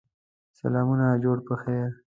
سلامونه جوړ په خیر!